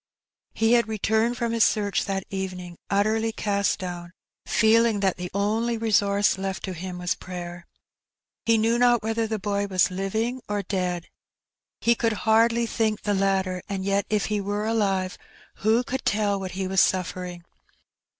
He had returned from his search that evening utterly cast down, feeling that the only resource 214 Her Benny. lefk to him was prayer. He knew not whether the boy was living or dead. He could hardly think the latter; and yet if he were alive, who could tell what he was suffering?